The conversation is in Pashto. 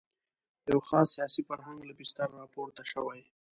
د یوه خاص سیاسي فرهنګ له بستره راپورته شوې.